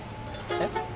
えっ？